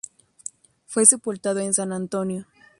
Fue sepultado en San Antonio.